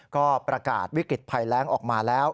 ก็ประกาศวิกฤตภัยแรงออกมาแล้ว